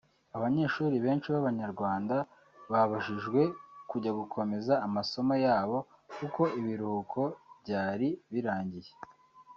Abanyeshuli benshi b’abanyarwanda babujijwe kujya gukomeza amasomo yabo kuko ibiruhuko byari birangiye